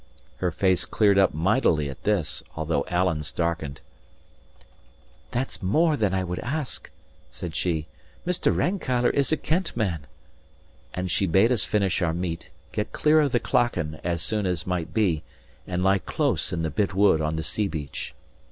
Her face cleared up mightily at this, although Alan's darkened. "That's more than I would ask," said she. "Mr. Rankeillor is a kennt man." And she bade us finish our meat, get clear of the clachan as soon as might be, and lie close in the bit wood on the sea beach.